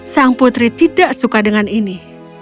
sang putri tidak suka dengan ini